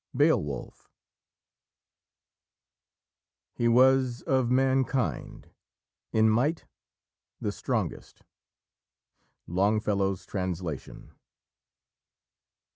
BEOWULF "He was of mankind In might the strongest." Longfellow's Translation.